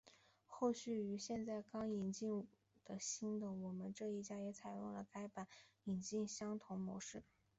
后续于现在刚引进的新我们这一家也采用了该版权引进的相同模式。